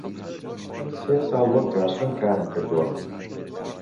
سێ ساڵ وەک گارسۆن کارم کردووە.